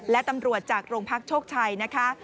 และตำรวจจากโรงพักโชคชัยนะคะ